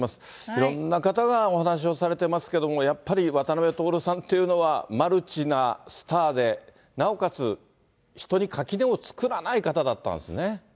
いろんな方がお話をされてますけれども、やっぱり渡辺徹さんっていうのは、マルチなスターで、なおかつ人に垣根を作らない方だったんですね。